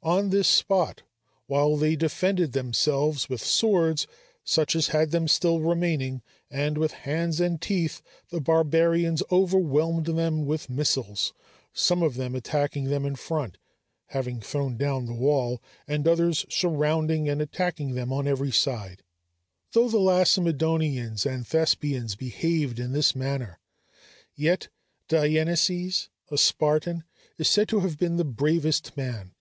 On this spot, while they defended themselves with swords such as had them still remaining and with hands and teeth, the barbarians overwhelmed them with missiles, some of them attacking them in front, having thrown down the wall, and others surrounding and attacking them on every side. Though the Lacedæmonians and Thespians behaved in this manner, yet Dieneces, a Spartan, is said to have been the bravest man.